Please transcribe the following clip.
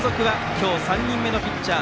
今日３人目のピッチャー